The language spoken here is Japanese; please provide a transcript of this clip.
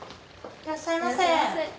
いらっしゃいませ。